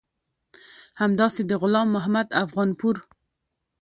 همداسې د غلام محمد افغانپور